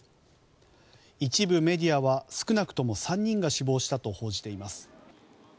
一部メディアは少なくとも３人が死亡したと報じています。